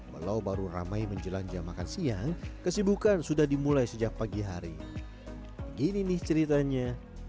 walau baru ramai menjelang jam makan siang kesibukan sudah dimulai sejak pagi hari gini nih ceritanya